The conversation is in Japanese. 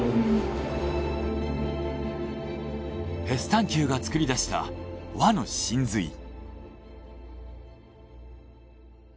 ヘスタンキューが作り出した和の神髄。